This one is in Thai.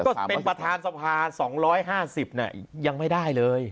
ก็เป็นประธานสภา๒๕๐ยังไม่ได้เลย